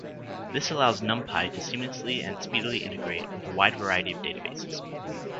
This allows NumPy to seamlessly and speedily integrate with a wide variety of databases.